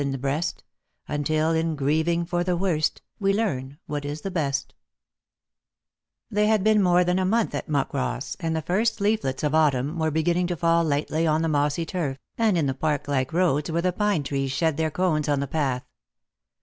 in the breast, Until, in grieving for the worst, we learn what ia the best !" They had been more than a month at Muckross, and the first leaflets of autumn were beginning to fall lightly on the mossy turf, and in the park like roads where the pine trees shed their cones on the path.